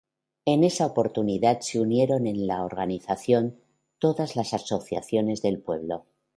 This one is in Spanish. En esa oportunidad se unieron en la organización, todas las asociaciones del pueblo.